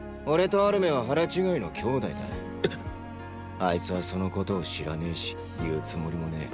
あいつはそのことを知らねェし言うつもりもねェ。